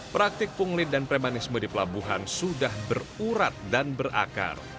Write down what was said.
praktik pungli dan premanisme di pelabuhan sudah berurat dan berakar